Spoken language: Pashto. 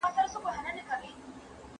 څه شی سرحد له لوی ګواښ سره مخ کوي؟